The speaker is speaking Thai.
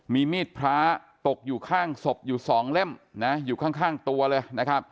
มีมีดพระตกอยู่ข้างศพอยู่๒เล่มนะอยู่ข้างตัวเลยนะครับ